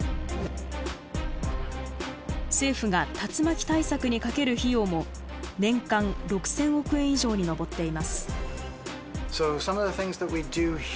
政府が竜巻対策にかける費用も年間６，０００億円以上に上っています。